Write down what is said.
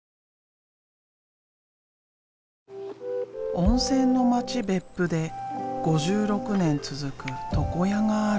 温泉の町別府で５６年続く床屋がある。